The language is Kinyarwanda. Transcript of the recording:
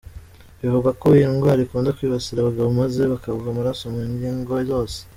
Bivugwa ko iyi ndwara ikunda kwibasira abagabo maze bakava amaraso mu ngi ngo zose.